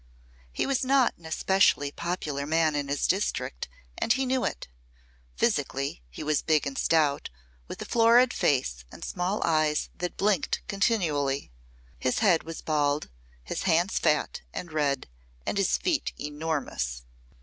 He was not an especially popular man in his district, and he knew it. Physically he was big and stout, with a florid face and small eyes that blinked continually. His head was bald, his hands fat and red and his feet enormous.